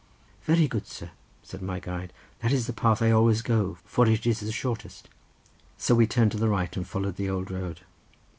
"Very good, sir," said my guide, "that is the path I always go, for it is the shortest." So we turned to the right and followed the old road.